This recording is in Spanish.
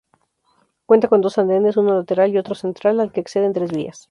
Cuenta con dos andenes, uno lateral y otro central, al que acceden tres vías.